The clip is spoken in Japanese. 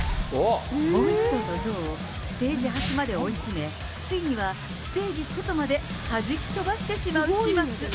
もう１頭のゾウをステージ端まで追い詰め、ついにはステージ外まではじき飛ばしてしまう始末。